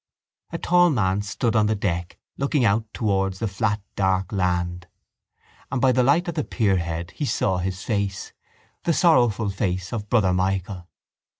A tall man stood on the deck, looking out towards the flat dark land: and by the light at the pierhead he saw his face, the sorrowful face of Brother Michael.